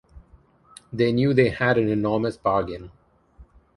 They knew they had an enormous bargain.